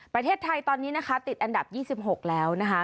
ประเทศไทยตอนนี้นะคะติดอันดับ๒๖แล้วนะคะ